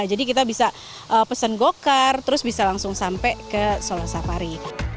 nah jadi kita bisa pesen go car terus bisa langsung sampai ke solo safari